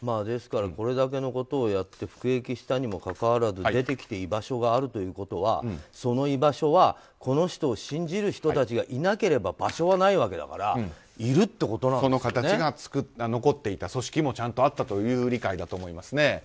ですからこれだけのことをやって服役したにもかかわらず出てきて居場所があるということはその居場所はこの人を信じる人たちがいなければ場所はないわけだからその形が残っていた、組織もちゃんとあったということですね。